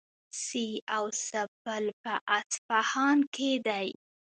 سي او سه پل په اصفهان کې دی.